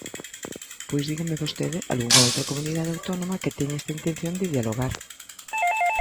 Pois dígame vostede algunha outra comunidade autónoma que teña esta intención de dialogar.